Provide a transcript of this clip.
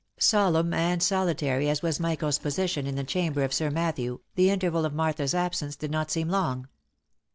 Solemn and solitary as was Michael's position in the chamber of Sir Matthew, the interval of Martha's absence did not seem long.